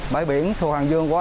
bãi biển thuộc hàng dương